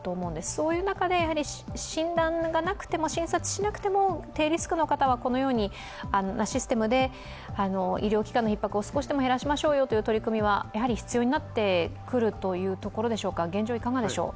そういう中で診断がなくても診察しなくても、低リスクの方はこのようなシステムで医療機関のひっ迫を少しでも減らしましょう世という取り組みは必要になってくるということでしょうか、現状いかがでしょう。